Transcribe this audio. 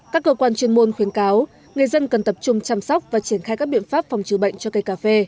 các cơ quan chuyên môn khuyến cáo người dân cần tập trung chăm sóc và triển khai các biện pháp phòng trừ bệnh cho cây cà phê